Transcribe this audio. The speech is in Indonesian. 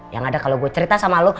yang ada kalau gue cerita sama lo